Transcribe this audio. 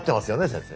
先生。